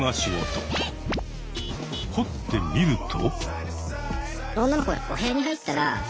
掘ってみると。